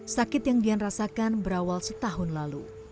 sakit yang dian rasakan berawal setahun lalu